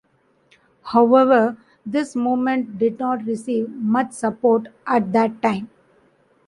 However, this movement did not receive much support at that time.